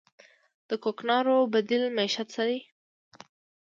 د کوکنارو بدیل معیشت څه دی؟